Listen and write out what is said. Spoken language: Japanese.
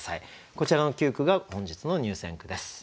こちらの９句が本日の入選句です。